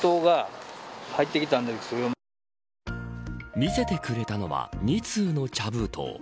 見せてくれたのは２通の茶封筒。